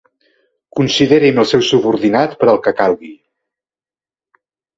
Consideri'm el seu subordinat per al que calgui.